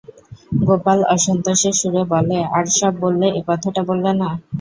গোপাল অসন্তোষের সুরে বলে, আর সব বললে, একথাটা বললে না?